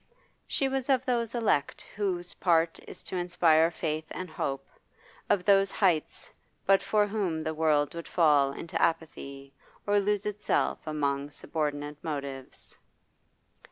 She was of those elect whose part it is to inspire faith and hope, of those highest but for whom the world would fall into apathy or lose itself among subordinate motives.